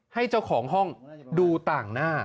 ให้เจ้าของห้องดูต่างหน้า